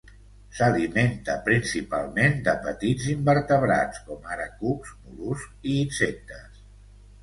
S'alimenta principalment de petits invertebrats com ara cucs, mol·luscs i insectes.